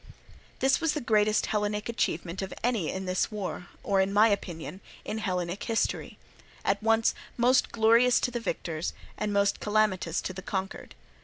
This was the greatest Hellenic achievement of any in thig war, or, in my opinion, in Hellenic history; at once most glorious to the victors, and most calamitous to the conquered.